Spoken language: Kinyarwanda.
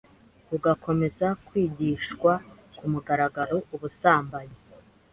rugakomeza kwigishwa ku mugaragaro ubusambanyi